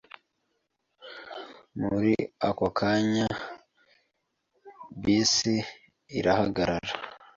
Muri ako kanya, bisi irahagarara.